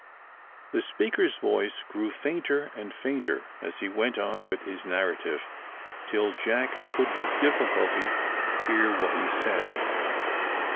The speaker's voice grew fainter and fainter as he went on with his narrative, till Jack could with difficulty hear what he said.